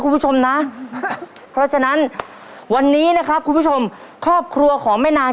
คุณผู้ชมนะเพราะฉะนั้นวันนี้นะครับคุณผู้ชมครอบครัวของแม่นาง